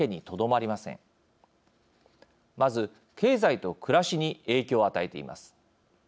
まず、経済と暮らしに影響を与えています。